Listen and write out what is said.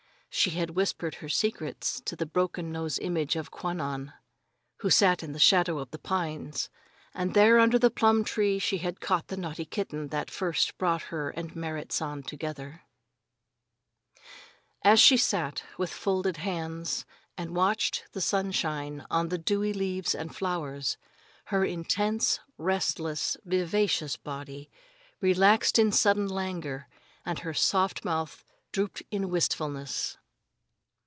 She had whispered her secrets to the broken nosed image of Kwannon, who sat in the shadow of the pines, and there under the plum tree she had caught the naughty kitten that first brought her and Merrit San together. As she sat, with folded hands, and watched the sunshine on the dewy leaves and flowers, her intense, restless, vivacious body relaxed in sudden languor and her soft mouth drooped in wistfulness.